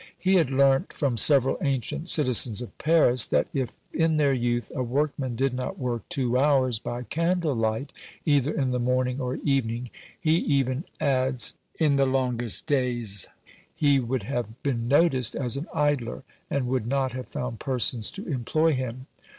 He had learnt from several ancient citizens of Paris, that if in their youth a workman did not work two hours by candle light, either in the morning or evening, he even adds in the longest days, he would have been noticed as an idler, and would not have found persons to employ him.